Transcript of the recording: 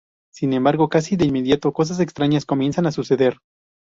Sin embargo casi de inmediato, cosas extrañas comienzan a suceder.